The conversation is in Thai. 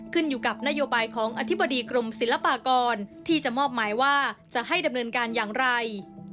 ขึ้นอยู่กับนโยบายของอธิบดีกรมศิลปากรที่จะมอบหมายว่าจะให้ดำเนินการอย่างไร